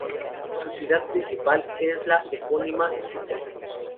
Su ciudad principal es la epónima Sutton.